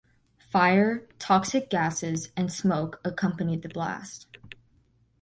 Fire, toxic gases, and smoke accompanied the blast.